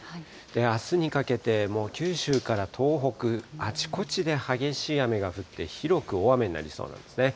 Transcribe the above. あすにかけてもう九州から東北、あちこちで激しい雨が降って、広く大雨になりそうなんですね。